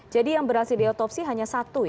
jadi yang berhasil diotopsi hanya satu ya